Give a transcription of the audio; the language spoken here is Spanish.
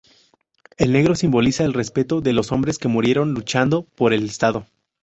El negro simboliza el respeto de los hombres que murieron luchando por el estado.